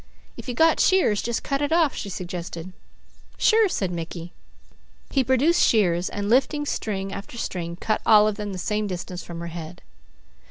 "If you got shears, just cut it off," she suggested. "Sure!" said Mickey. He produced shears and lifting string after string cut all of them the same distance from her head.